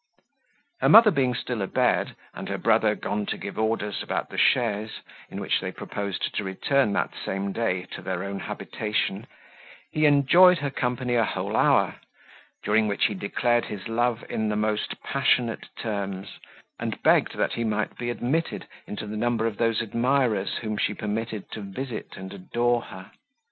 Her mother being still abed, and her brother gone to give orders about the chaise, in which they proposed to return that same day to their own habitation, he enjoyed her company a whole hour, during which he declared his love in the most passionate terms, and begged that he might be admitted into the number of those admirers whom she permitted to visit and adore her.